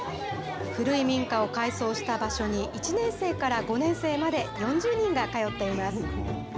古い民家を改装した場所に、１年生から５年生まで４０人が通っています。